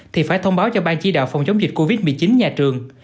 thì phải thông báo cho ban chỉ đạo phòng chống dịch covid một mươi chín nhà trường